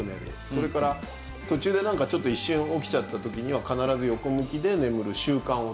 それから途中でちょっと一瞬起きちゃった時には必ず横向きで眠る習慣をつけると。